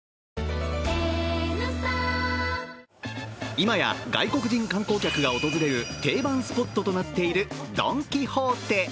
今や外国人観光客が訪れる定番スポットとなっているドン・キホーテ。